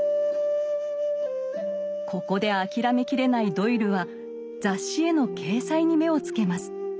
ここで諦めきれないドイルは雑誌への掲載に目をつけます。